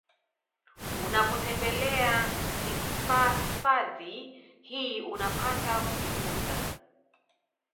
Unapotembelea hifafadhi hii unapata kujifunza